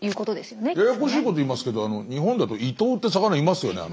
ややこしいこと言いますけど日本だとイトウって魚いますよね。